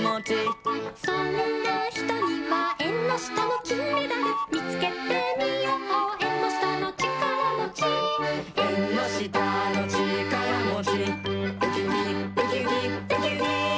「そんなひとにはえんのしたのきんメダル」「みつけてみようえんのしたのちからもち」「えんのしたのちからもち」「ウキウキウキウキウキウキ」